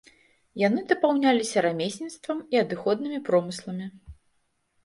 Яны дапаўняліся рамесніцтвам і адыходнымі промысламі.